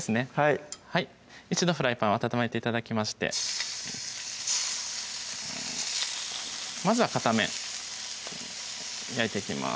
一度フライパンを温めて頂きましてまずは片面焼いていきます